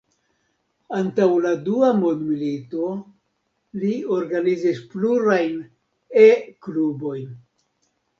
Antaŭ la dua mondmilito li organizis plurajn E-klubojn.